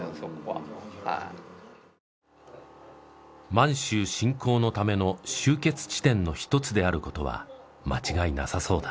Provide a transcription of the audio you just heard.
満州侵攻のための集結地点の一つであることは間違いなさそうだ。